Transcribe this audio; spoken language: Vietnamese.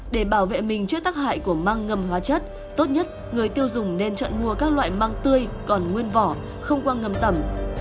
để bảo vệ mình trước tác hại của măng ngầm hóa chất tốt nhất người tiêu dùng nên chọn mua các loại măng tươi còn nguyên vỏ không qua ngầm tẩm